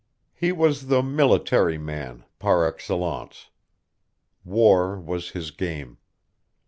He was the military man par excellence. War was his game.